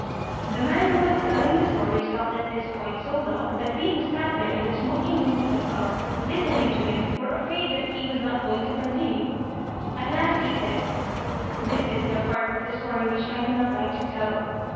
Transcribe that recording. The man who was telling the story stopped at this point so long that we who sat there in the smoking room of the Club listening to him were afraid he was not going to continue. At last he said: "This is the part of the story which I do not like to tell.